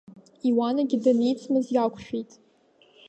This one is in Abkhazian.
Иуанагьы даницмыз иақәшәеит.